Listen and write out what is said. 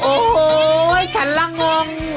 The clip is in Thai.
โอ้โฮฉันล่างงง